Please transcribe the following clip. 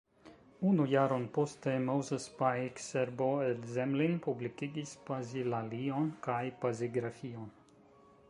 Unu jaron poste Moses Paic, Serbo el Zemlin, publikigis pazilalion kaj pazigrafion.